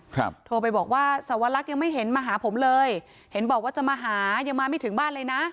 โทรไปบอกว่าสวรรคยังไม่เห็นมาหาผมเลยเห็นบอกว่าจะมาหายังมาไม่ถึงบ้านเลยนะ